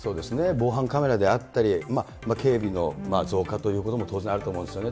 防犯カメラであったり、警備の増加ということも当然あると思うんですよね。